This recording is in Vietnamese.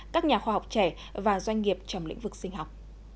các nhà khoa học trẻ và doanh nghiệp trong lĩnh vực sinh học